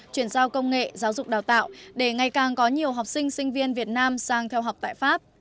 chuyển giao công nghệ giáo dục đào tạo để ngày càng có nhiều học sinh sinh viên việt nam sang theo học tại pháp